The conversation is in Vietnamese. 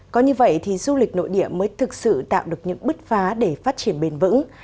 có như vậy thì du lịch nội địa mới thực sự tạo được những bứt phá để phát triển bền vững